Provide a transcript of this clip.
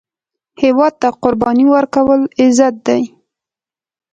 هیواد ته قرباني ورکول، عزت دی